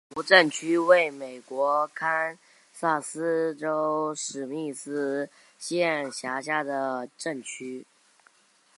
比弗镇区为美国堪萨斯州史密斯县辖下的镇区。